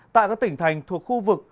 tại các tỉnh thành thuộc khu vực